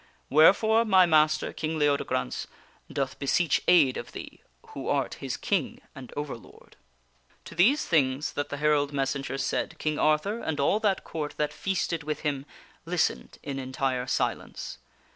Wherefore my master, King Leodegrance, doth be seech aid of thee, who art his King and Overlord." To these things that the herald messenger said, King Arthur, and all that Court that feasted with him, listened in entire silence.